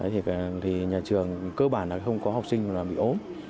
thì nhà trường cơ bản là không có học sinh là bị ốm